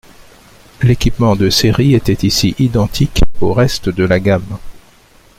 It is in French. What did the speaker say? L'équipement de série était ici identique au reste de la gamme.